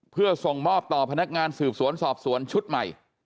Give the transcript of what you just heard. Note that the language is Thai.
เพื่อส่งมอบต่อพนักงานสืบสวนสอบสวนชุดใหม่